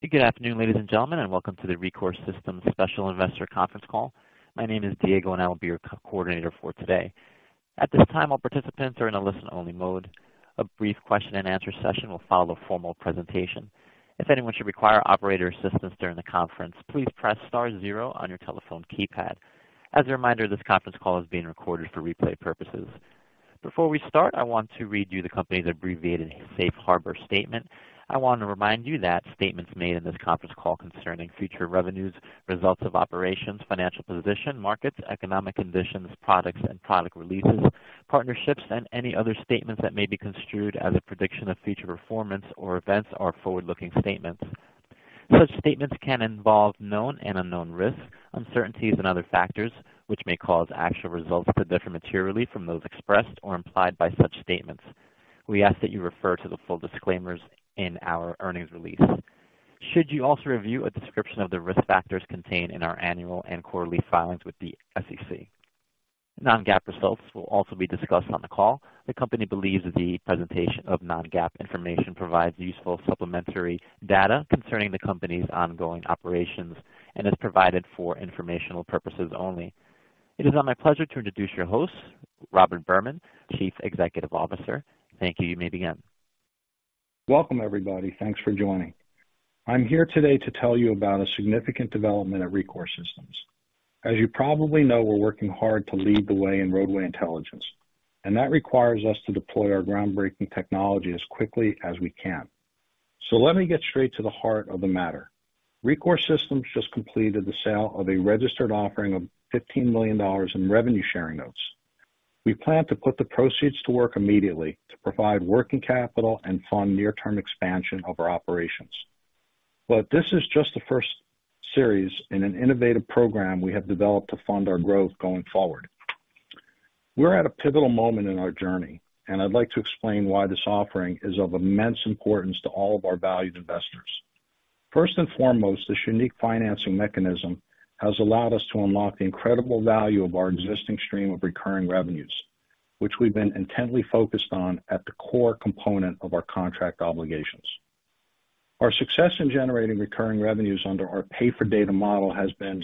Good afternoon, ladies and gentlemen, and welcome to the Rekor Systems Special Investor Conference Call. My name is Diego, and I will be your co-coordinator for today. At this time, all participants are in a listen-only mode. A brief question and answer session will follow the formal presentation. If anyone should require operator assistance during the conference, please press star zero on your telephone keypad. As a reminder, this conference call is being recorded for replay purposes. Before we start, I want to read you the company's abbreviated safe harbor statement. I want to remind you that statements made in this conference call concerning future revenues, results of operations, financial position, markets, economic conditions, products and product releases, partnerships, and any other statements that may be construed as a prediction of future performance or events are forward-looking statements. Such statements can involve known and unknown risks, uncertainties, and other factors, which may cause actual results to differ materially from those expressed or implied by such statements. We ask that you refer to the full disclaimers in our earnings release. Should you also review a description of the risk factors contained in our annual and quarterly filings with the SEC? Non-GAAP results will also be discussed on the call. The company believes the presentation of non-GAAP information provides useful supplementary data concerning the company's ongoing operations and is provided for informational purposes only. It is now my pleasure to introduce your host, Robert Berman, Chief Executive Officer. Thank you. You may begin. Welcome, everybody. Thanks for joining. I'm here today to tell you about a significant development at Rekor Systems. As you probably know, we're working hard to lead the way in roadway intelligence, and that requires us to deploy our groundbreaking technology as quickly as we can. So let me get straight to the heart of the matter. Rekor Systems just completed the sale of a registered offering of $15 million in revenue sharing notes. We plan to put the proceeds to work immediately to provide working capital and fund near-term expansion of our operations. But this is just the first series in an innovative program we have developed to fund our growth going forward. We're at a pivotal moment in our journey, and I'd like to explain why this offering is of immense importance to all of our valued investors. First and foremost, this unique financing mechanism has allowed us to unlock the incredible value of our existing stream of recurring revenues, which we've been intently focused on at the core component of our contract obligations. Our success in generating recurring revenues under our pay-for-data model has been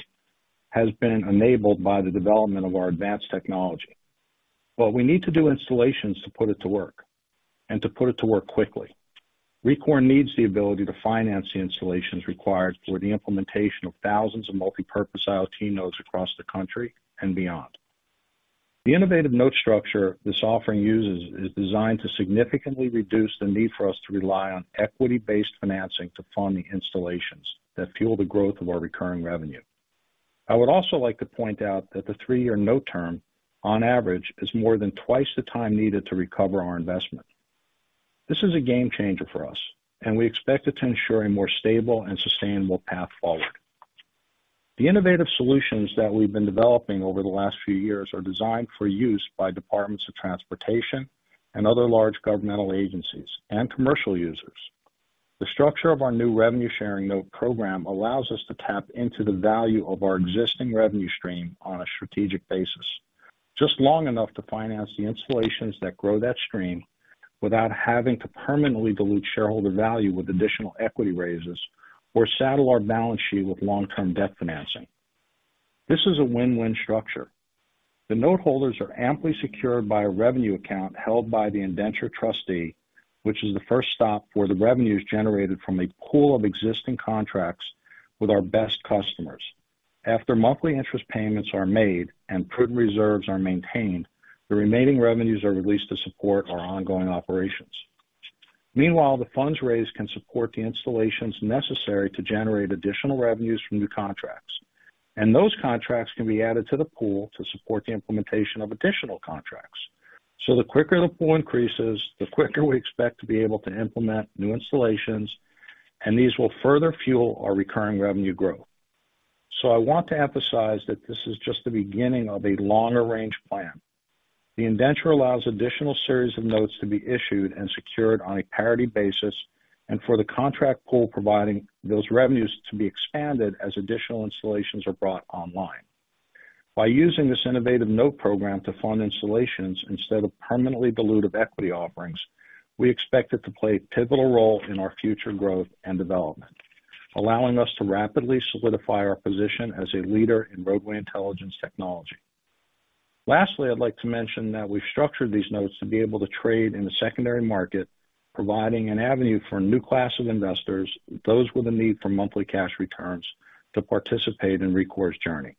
enabled by the development of our advanced technology. But we need to do installations to put it to work and to put it to work quickly. Rekor needs the ability to finance the installations required for the implementation of thousands of multipurpose IoT nodes across the country and beyond. The innovative note structure this offering uses is designed to significantly reduce the need for us to rely on equity-based financing to fund the installations that fuel the growth of our recurring revenue. I would also like to point out that the three-year note term, on average, is more than twice the time needed to recover our investment. This is a game changer for us, and we expect it to ensure a more stable and sustainable path forward. The innovative solutions that we've been developing over the last few years are designed for use by departments of transportation and other large governmental agencies and commercial users. The structure of our new revenue sharing note program allows us to tap into the value of our existing revenue stream on a strategic basis, just long enough to finance the installations that grow that stream without having to permanently dilute shareholder value with additional equity raises or saddle our balance sheet with long-term debt financing. This is a win-win structure. The note holders are amply secured by a revenue account held by the indenture trustee, which is the first stop where the revenue is generated from a pool of existing contracts with our best customers. After monthly interest payments are made and prudent reserves are maintained, the remaining revenues are released to support our ongoing operations. Meanwhile, the funds raised can support the installations necessary to generate additional revenues from new contracts, and those contracts can be added to the pool to support the implementation of additional contracts. So the quicker the pool increases, the quicker we expect to be able to implement new installations, and these will further fuel our recurring revenue growth. So I want to emphasize that this is just the beginning of a longer-range plan. The indenture allows additional series of notes to be issued and secured on a parity basis, and for the contract pool providing those revenues to be expanded as additional installations are brought online. By using this innovative note program to fund installations instead of permanently dilutive equity offerings, we expect it to play a pivotal role in our future growth and development, allowing us to rapidly solidify our position as a leader in roadway intelligence technology. Lastly, I'd like to mention that we've structured these notes to be able to trade in the secondary market, providing an avenue for a new class of investors, those with a need for monthly cash returns, to participate in Rekor's journey.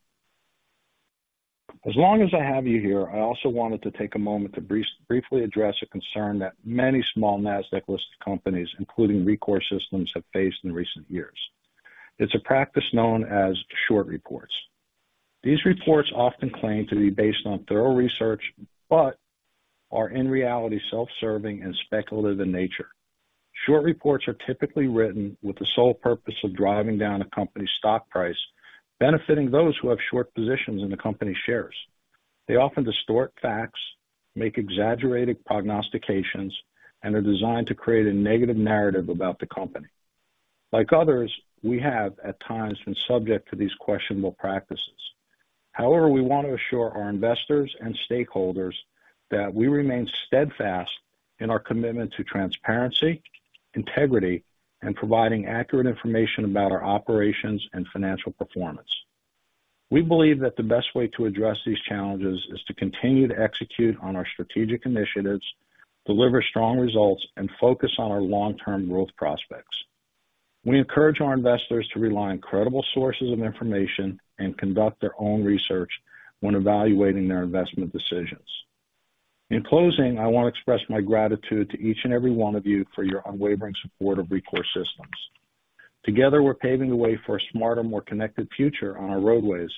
As long as I have you here, I also wanted to take a moment to briefly address a concern that many small Nasdaq-listed companies, including Rekor Systems, have faced in recent years. It's a practice known as short reports. These reports often claim to be based on thorough research, but are, in reality, self-serving and speculative in nature. Short reports are typically written with the sole purpose of driving down a company's stock price, benefiting those who have short positions in the company's shares. They often distort facts, make exaggerated prognostications, and are designed to create a negative narrative about the company. Like others, we have at times been subject to these questionable practices. However, we want to assure our investors and stakeholders that we remain steadfast in our commitment to transparency, integrity, and providing accurate information about our operations and financial performance. We believe that the best way to address these challenges is to continue to execute on our strategic initiatives, deliver strong results, and focus on our long-term growth prospects. We encourage our investors to rely on credible sources of information and conduct their own research when evaluating their investment decisions. In closing, I want to express my gratitude to each and every one of you for your unwavering support of Rekor Systems. Together, we're paving the way for a smarter, more connected future on our roadways,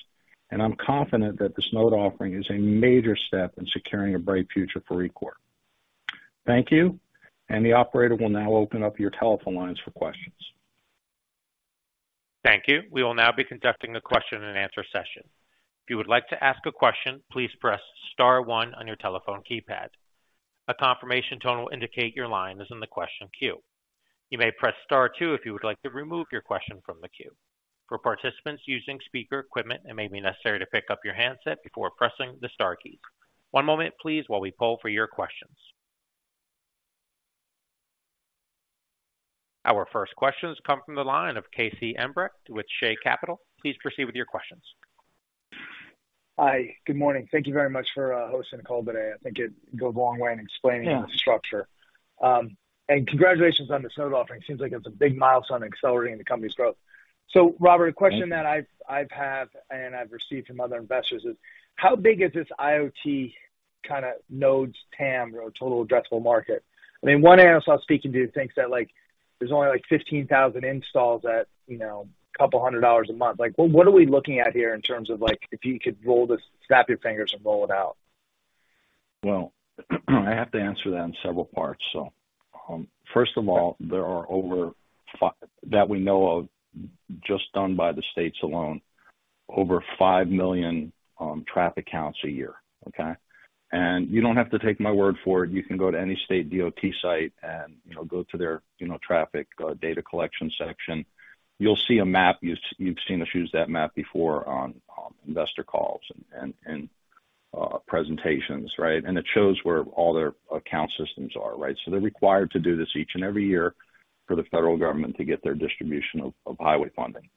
and I'm confident that this note offering is a major step in securing a bright future for Rekor. Thank you, and the operator will now open up your telephone lines for questions. Thank you. We will now be conducting the question and answer session. If you would like to ask a question, please press star one on your telephone keypad. A confirmation tone will indicate your line is in the question queue. You may press star two if you would like to remove your question from the queue. For participants using speaker equipment, it may be necessary to pick up your handset before pressing the star keys. One moment, please, while we poll for your questions. Our first questions come from the line of K.C. Ambrecht with Shay Capital. Please proceed with your questions. Hi, good morning. Thank you very much for hosting the call today. I think it goes a long way in explaining the structure. And congratulations on the S-1 offering. Seems like it's a big milestone in accelerating the company's growth. So, Robert, a question that I have and I've received from other investors is: How big is this IoT kind of nodes TAM, or total addressable market? I mean, one analyst I was speaking to thinks that, like, there's only, like, 15,000 installs at, you know, a couple hundred dollars a month. Like, what are we looking at here in terms of, like, if you could roll this, snap your fingers and roll it out? Well, I have to answer that in several parts. So, first of all, there are over five that we know of, just done by the states alone, over five million traffic counts a year, okay? And you don't have to take my word for it. You can go to any state DOT site and, you know, go to their, you know, traffic data collection section. You'll see a map. You've seen us use that map before on investor calls and presentations, right? And it shows where all their count systems are, right? So they're required to do this each and every year for the federal government to get their distribution of highway funding.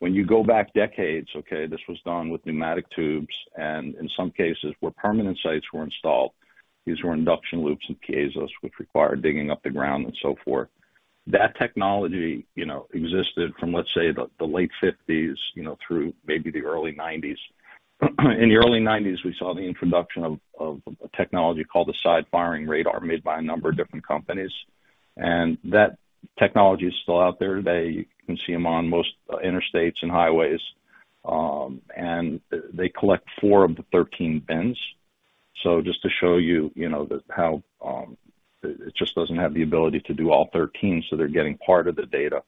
When you go back decades, okay, this was done with pneumatic tubes, and in some cases, where permanent sites were installed, these were induction loops and piezos, which required digging up the ground and so forth. That technology, you know, existed from, let's say, the late 1950s, you know, through maybe the early 1990s. In the early 1990s, we saw the introduction of a technology called the side-firing radar, made by a number of different companies. That technology is still out there today. You can see them on most interstates and highways, and they collect four of the 13 bins. So just to show you, you know, how it just doesn't have the ability to do all 13, so they're getting part of the data.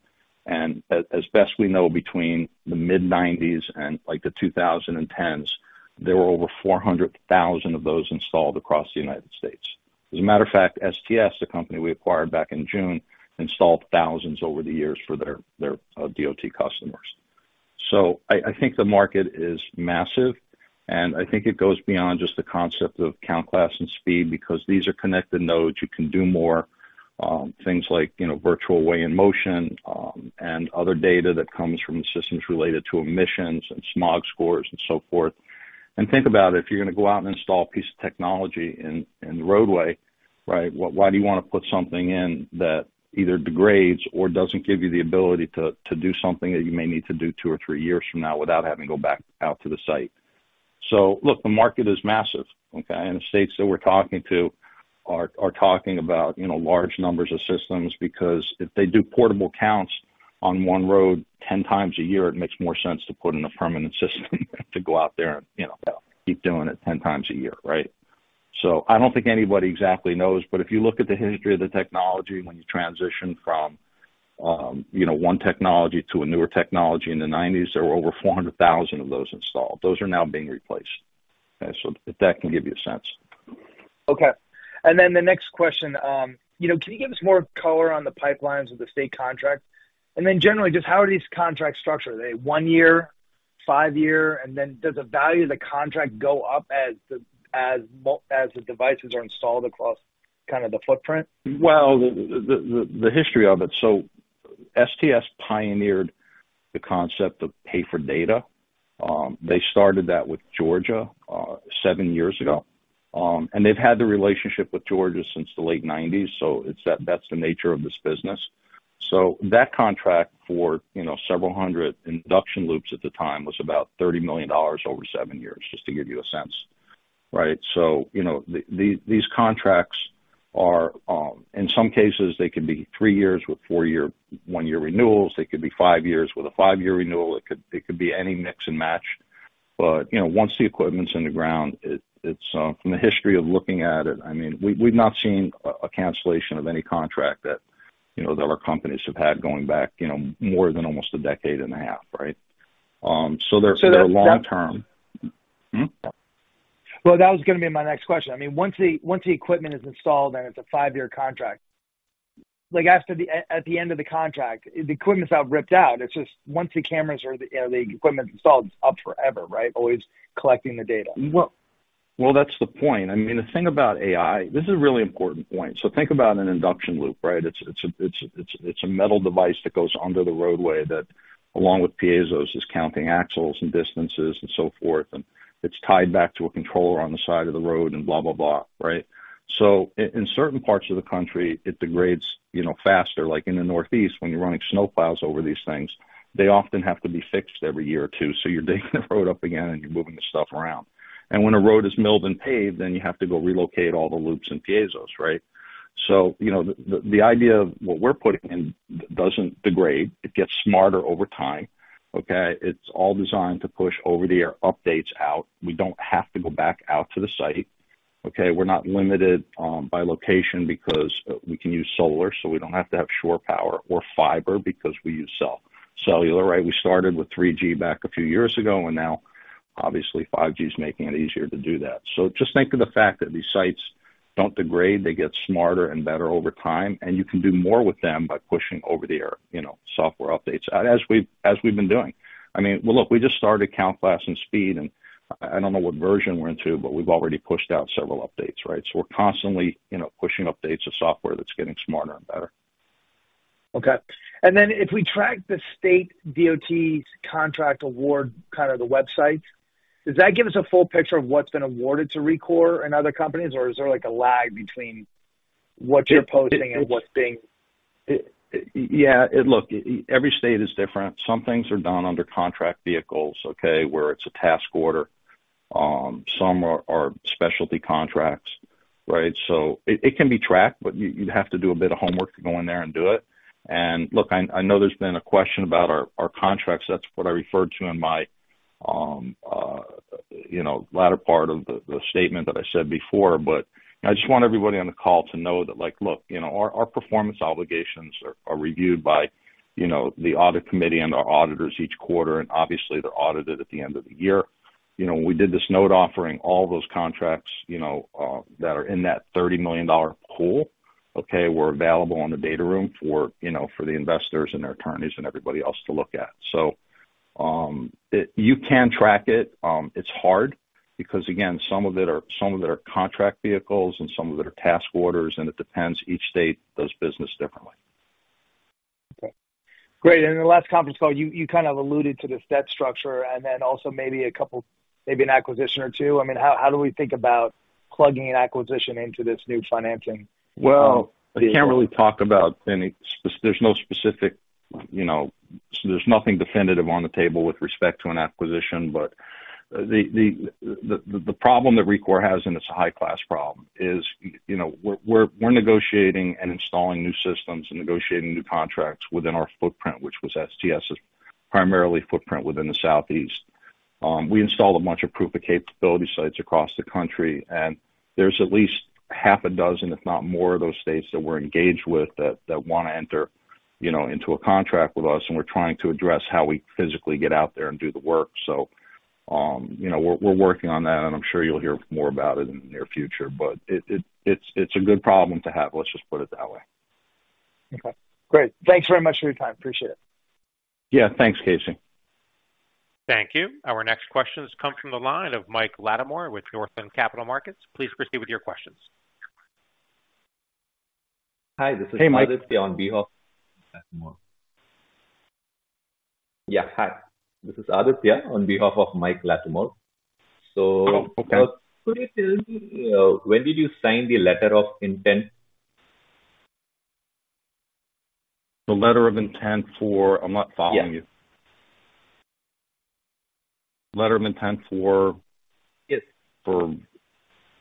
As best we know, between the mid-1990s and, like, the 2010s, there were over 400,000 of those installed across the United States. As a matter of fact, STS, the company we acquired back in June, installed thousands over the years for their DOT customers. So I think the market is massive, and I think it goes beyond just the concept of count, class, and speed, because these are connected nodes. You can do more things like, you know, virtual weigh-in-motion, and other data that comes from systems related to emissions and smog scores and so forth. Think about it, if you're going to go out and install a piece of technology in the roadway, right, why do you want to put something in that either degrades or doesn't give you the ability to do something that you may need to do two or three years from now without having to go back out to the site? So look, the market is massive, okay? And the states that we're talking to are talking about, you know, large numbers of systems, because if they do portable counts on one road 10 times a year, it makes more sense to put in a permanent system than to go out there and, you know, keep doing it 10x a year, right? So I don't think anybody exactly knows. But if you look at the history of the technology, when you transition from, you know, one technology to a newer technology in the 1990s, there were over 400,000 of those installed. Those are now being replaced. Okay, so if that can give you a sense. Okay. And then the next question, you know, can you give us more color on the pipelines of the state contracts? And then generally, just how are these contracts structured? Are they one year, five year, and then does the value of the contract go up as the devices are installed across kind of the footprint? Well, the history of it, so STS pioneered the concept of pay for data. They started that with Georgia seven syears ago. And they've had the relationship with Georgia since the late 1990s, so it's that's the nature of this business. So that contract for, you know, several hundred induction loops at the time was about $30 million over seven years, just to give you a sense, right? So, you know, these contracts are, in some cases, they could be three years with four-year, one-year renewals. They could be five years with a five-year renewal. It could be any mix and match. But, you know, once the equipment's in the ground, it's from the history of looking at it, I mean, we've not seen a cancellation of any contract that, you know, that our companies have had going back, you know, more than almost a decade and a half, right? So they're long term. Well, that was gonna be my next question. I mean, once the equipment is installed and it's a five-year contract—like after the, at the end of the contract, the equipment's not ripped out. It's just once the cameras are, you know, the equipment's installed, it's up forever, right? Always collecting the data. Well, well, that's the point. I mean, the thing about AI, this is a really important point. So think about an induction loop, right? It's a metal device that goes under the roadway, that along with piezos, is counting axles and distances and so forth, and it's tied back to a controller on the side of the road and blah, blah, blah, right? So in certain parts of the country, it degrades, you know, faster. Like in the Northeast, when you're running snow plows over these things, they often have to be fixed every year or two. So you're digging the road up again, and you're moving the stuff around. And when a road is milled and paved, then you have to go relocate all the loops and piezos, right? So, you know, the idea of what we're putting in doesn't degrade. It gets smarter over time, okay? It's all designed to push over-the-air updates out. We don't have to go back out to the site, okay? We're not limited by location because we can use solar, so we don't have to have shore power or fiber because we use cellular, right? We started with 3G back a few years ago, and now obviously 5G is making it easier to do that. So just think of the fact that these sites don't degrade, they get smarter and better over time, and you can do more with them by pushing over-the-air, you know, software updates, as we've been doing. I mean, well, look, we just started [CountLess] and Speed, and I don't know what version we're into, but we've already pushed out several updates, right? So we're constantly, you know, pushing updates to software that's getting smarter and better. Okay. And then if we track the state DOT's contract award, kind of, the websites, does that give us a full picture of what's been awarded to Rekor and other companies, or is there, like, a lag between what you're posting and what's being? Yeah, look, every state is different. Some things are done under contract vehicles, okay? Where it's a task order. Some are specialty contracts, right? So it can be tracked, but you'd have to do a bit of homework to go in there and do it. And look, I know there's been a question about our contracts. That's what I referred to in my, you know, latter part of the statement that I said before. But I just want everybody on the call to know that, like, look, you know, our performance obligations are reviewed by, you know, the audit committee and our auditors each quarter, and obviously they're audited at the end of the year. You know, when we did this note, offering all those contracts, you know, that are in that $30 million pool, okay, were available on the data room for, you know, for the investors and their attorneys and everybody else to look at. So, you can track it. It's hard because, again, some of it are, some of it are contract vehicles and some of it are task orders, and it depends. Each state does business differently. Okay, great. And in the last conference call, you kind of alluded to this debt structure and then also maybe a couple, maybe an acquisition or two. I mean, how do we think about plugging an acquisition into this new financing? Well, I can't really talk about any specific. There's no specific, you know, there's nothing definitive on the table with respect to an acquisition. But the problem that Rekor has, and it's a high-class problem, is, you know, we're negotiating and installing new systems and negotiating new contracts within our footprint, which was STS's primary footprint within the Southeast. We installed a bunch of proof of capability sites across the country, and there's at least half a dozen, if not more, of those states that we're engaged with that want to enter, you know, into a contract with us, and we're trying to address how we physically get out there and do the work. So, you know, we're working on that, and I'm sure you'll hear more about it in the near future. But it, it's a good problem to have. Let's just put it that way. Okay, great. Thanks very much for your time. Appreciate it. Yeah. Thanks, KC. Thank you. Our next question comes from the line of Mike Latimore with Northland Capital Markets. Please proceed with your questions. Hi, this is- Hey, Mike. Yeah. Hi, this is Aditya on behalf of Mike Latimore. Oh, okay. So, could you tell me when did you sign the letter of intent? The letter of intent for? I'm not following you. Yes. Letter of intent for- Yes. For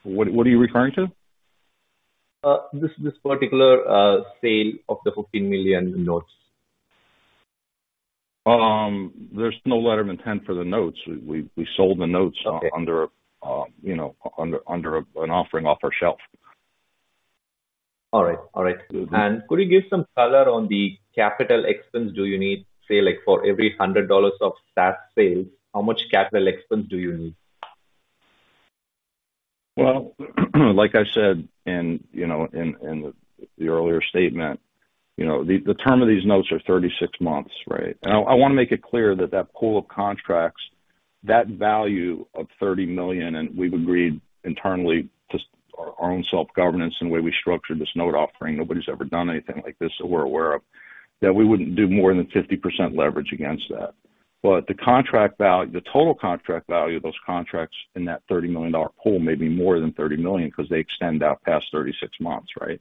what, what are you referring to? This particular sale of the $14 million notes. There's no letter of intent for the notes. We sold the notes. Okay. you know, under an offering off our shelf. All right. All right. Could you give some color on the capital expense do you need? Say, like, for every $100 of SaaS sales, how much capital expense do you need? Well, like I said, you know, in the earlier statement, you know, the term of these notes are 36 months, right? And I want to make it clear that that pool of contracts, that value of $30 million, and we've agreed internally to our own self-governance and the way we structured this note offering, nobody's ever done anything like this that we're aware of, that we wouldn't do more than 50% leverage against that. But the contract value, the total contract value of those contracts in that $30 million dollar pool may be more than $30 million because they extend out past 36 months, right?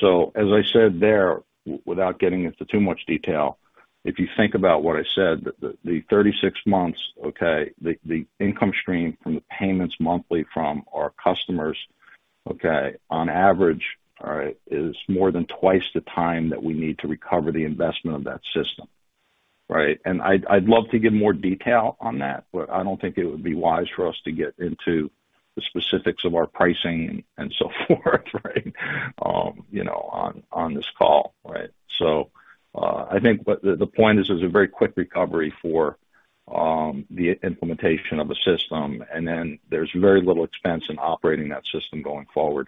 So as I said there, without getting into too much detail, if you think about what I said, the 36 months, okay, the income stream from the payments monthly from our customers, okay, on average, all right, is more than twice the time that we need to recover the investment of that system, right? And I'd love to give more detail on that, but I don't think it would be wise for us to get into the specifics of our pricing and so forth, right? You know, on this call, right? I think what the point is, there's a very quick recovery for the implementation of a system, and then there's very little expense in operating that system going forward.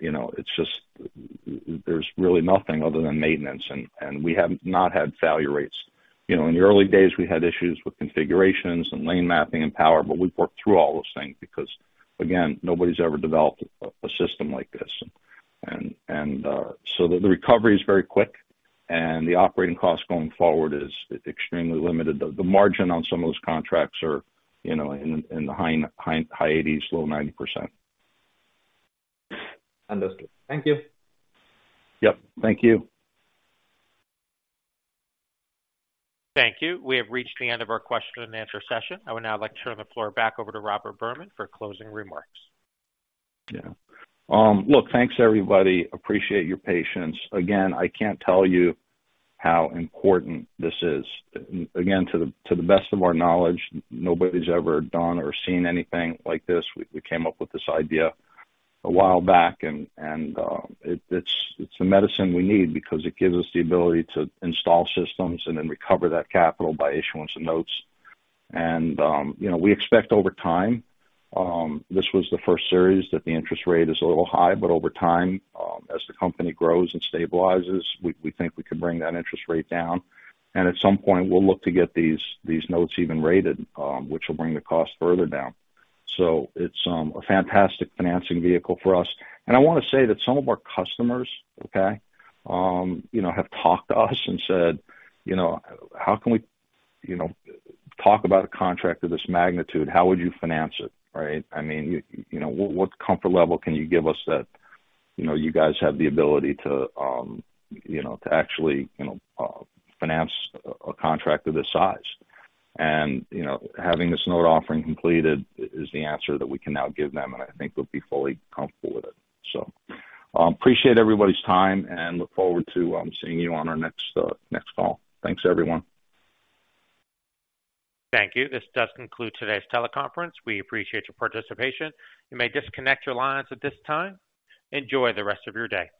You know, it's just, there's really nothing other than maintenance, and we have not had failure rates. You know, in the early days, we had issues with configurations and lane mapping and power, but we've worked through all those things because, again, nobody's ever developed a system like this. And so the recovery is very quick, and the operating costs going forward is extremely limited. The margin on some of those contracts are, you know, in the high 80s, low 90%. Understood. Thank you. Yep. Thank you. Thank you. We have reached the end of our question and answer session. I would now like to turn the floor back over to Robert Berman for closing remarks. Yeah. Look, thanks, everybody. Appreciate your patience. Again, I can't tell you how important this is. Again, to the best of our knowledge, nobody's ever done or seen anything like this. We came up with this idea a while back, and it's, it's the medicine we need because it gives us the ability to install systems and then recover that capital by issuance of notes. And you know, we expect over time, this was the first series that the interest rate is a little high, but over time, as the company grows and stabilizes, we think we can bring that interest rate down. And at some point, we'll look to get these notes even rated, which will bring the cost further down. So it's a fantastic financing vehicle for us. And I wanna say that some of our customers, okay, you know, have talked to us and said, "You know, how can we, you know, talk about a contract of this magnitude? How would you finance it, right? I mean, you know, what comfort level can you give us that, you know, you guys have the ability to, you know, to actually, you know, finance a contract of this size?" And, you know, having this note offering completed is the answer that we can now give them, and I think they'll be fully comfortable with it. So, appreciate everybody's time, and look forward to, seeing you on our next, next call. Thanks, everyone. Thank you. This does conclude today's teleconference. We appreciate your participation. You may disconnect your lines at this time. Enjoy the rest of your day.